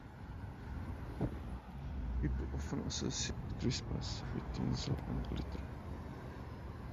People often associate Christmas with tinsel and glitter.